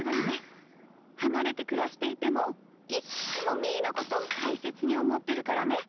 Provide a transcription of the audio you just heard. はなれてくらしていてもいっつもみーのことたいせつにおもってるからね！